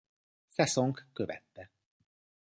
Sesonk követte.